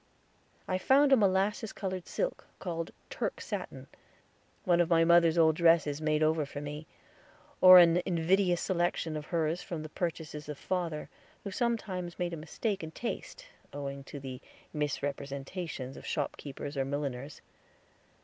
I found a molasses colored silk, called Turk satin one of mother's old dresses, made over for me, or an invidious selection of hers from the purchases of father, who sometimes made a mistake in taste, owing to the misrepresentations of shopkeepers and milliners.